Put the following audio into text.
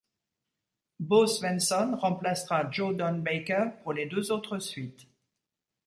Bo Svenson remplacera Joe Don Baker pour les deux autres suites.